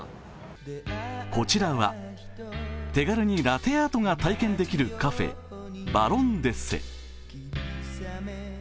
こちらは手軽にラテアートが体験できるカフェ、バロンデッセ。